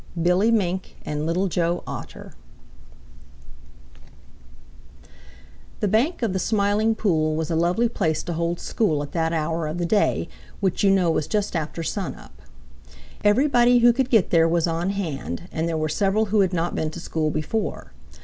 CHAPTER XXV Two Famous Swimmers The bank of the Smiling Pool was a lovely place to hold school at that hour of the day, which you know was just after sun up. Everybody who could get there was on hand, and there were several who had not been to school before.